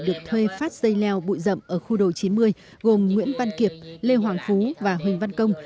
được thuê phát dây leo bụi rậm ở khu đồ chín mươi gồm nguyễn văn kiệp lê hoàng phú và huỳnh văn công